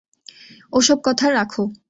ও-সব কথা রাখো।